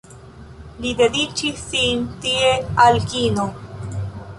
Li dediĉis sin tie al kino.